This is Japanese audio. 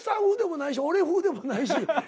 風でもないし俺風でもないし。